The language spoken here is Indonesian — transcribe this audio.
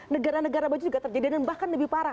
negara negara maju juga terjadi dan bahkan lebih parah